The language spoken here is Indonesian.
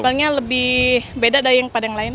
barangnya lebih beda dari yang pada yang lain